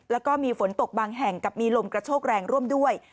แล้วก็มีฝนตกบางแห่งกับมีลมกระโชกแรงร่วมด้วย